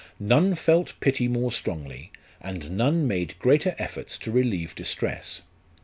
None felt pity more strongly, and none made greater efforts to relieve distress.